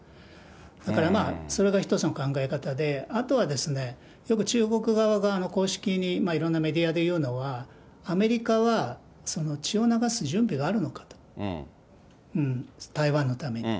だからそれが一つの考え方で、あとはよく中国側が公式に、いろんなメディアで言うのは、アメリカは血を流す準備はあるのかと、台湾のために。